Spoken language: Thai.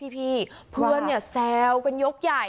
พี่เพื่อนเนี่ยแซวกันยกใหญ่